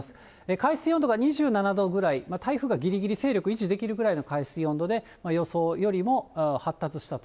海水温度が２７度ぐらい、台風がぎりぎり勢力維持できるぐらいの海水温度で、予想よりも発達したと。